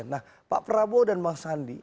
nah pak prabowo dan bang sandi